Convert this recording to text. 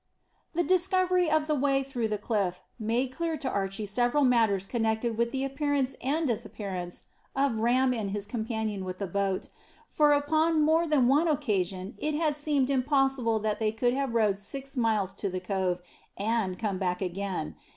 The discovery of the way through the cliff made clear to Archy several matters connected with the appearance and disappearance of Ram and his companion with the boat, for upon more than one occasion it had seemed impossible that they could have rowed six miles to the cove and come back again.